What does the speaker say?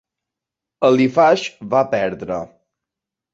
Halifax va perdre.